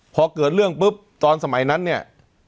พอเกิดเรื่องปุ๊บตอนสมัยนั้นเนี่ย